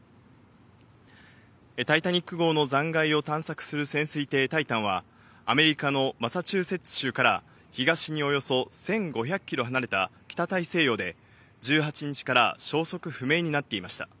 タイタニック号の残骸を探索する潜水艇タイタンは、アメリカのマサチューセッツ州から東におよそ１５００キロ離れた北大西洋で１８日から消息不明になっていました。